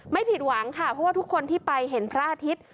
ไม่ผิดหวังค่ะเพราะว่าทุกคนที่ไปเห็นพระอาทิตย์